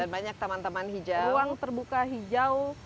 banyak ruang terbuka hijau